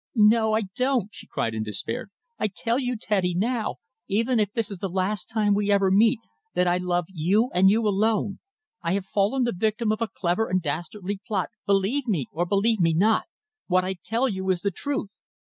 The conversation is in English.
"No, I don't," she cried in despair. "I tell you, Teddy, now even if this is the last time we ever meet that I love you and you alone. I have fallen the victim of a clever and dastardly plot, believe me, or believe me not. What I tell you is the truth."